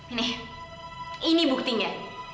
ini ini buktinya